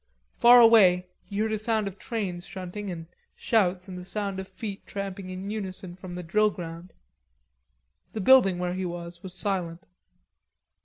Far away he heard a sound of trains shunting and shouts and the sound of feet tramping in unison from the drill ground. The building where he was was silent.